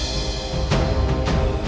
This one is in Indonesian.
sebelum commitments imti setelah tembakan